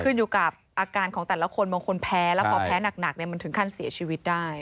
ขึ้นอยู่กับอาการของแต่ละคนบางคนแพ้แล้วพอแพ้หนักมันถึงขั้นเสียชีวิตได้